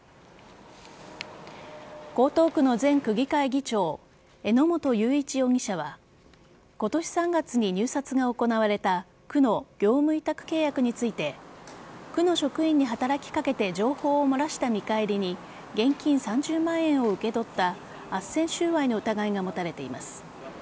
江東区の前区議会議長榎本雄一容疑者は今年３月に入札が行われた区の業務委託契約について区の職員に働きかけて情報を漏らした見返りに現金３０万円を受け取ったあっせん収賄の疑いが持たれています。